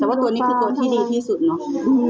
แต่ว่าตัวนี้คือตัวที่ดีที่สุดเนาะ